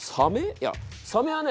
いやサメはね